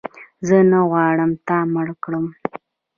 زه نه غواړم تا مړ کړم